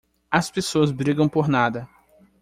As pessoas brigam por nada.